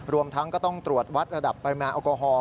รวมทั้งก็ต้องตรวจวัดระดับปริมาณแอลกอฮอล